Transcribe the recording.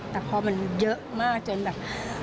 แต่พอมันเยอะมากจนแบบ